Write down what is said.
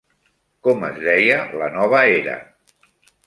Com es deia la nova era?